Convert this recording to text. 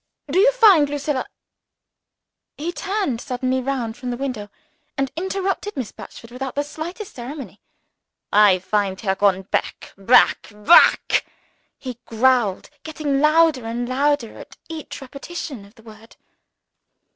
Do you find Lucilla " He turned suddenly round from the window, and interrupted Miss Batchford without the slightest ceremony. "I find her gone back, back, back!" he growled, getting louder and louder at each repetition of the word.